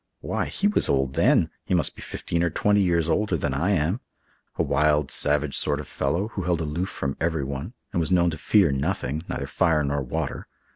Why, he was old then! He must be fifteen or twenty years older than I am. A wild, savage sort of fellow, who held aloof from everyone and was known to fear nothing—neither fire nor water.